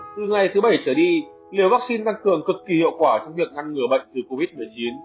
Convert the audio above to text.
từ ngày thứ bảy trở đi liều vaccine tăng cường cực kỳ hiệu quả trong việc ngăn ngừa bệnh từ covid một mươi chín